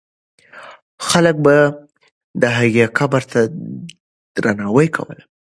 خلک به د هغې قبر ته درناوی کوله.